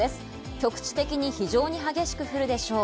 局地的に非常に激しく降るでしょう。